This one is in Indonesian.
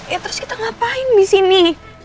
ya terus kita ngapain disini